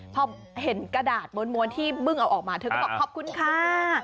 พอเห็นกระดาษม้วนที่บึ้งเอาออกมาเธอก็บอกขอบคุณค่ะ